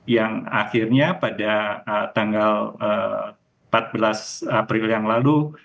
yang akhirnya pada tanggal empat belas april yang lalu